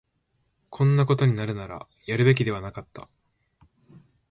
こんなことになるなら、やるべきではなかった